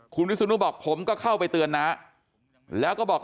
คุณวิศนุบอกผมก็เข้าไปเตือนน้าแล้วก็บอก